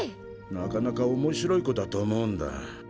なかなか面白い子だと思うんだ。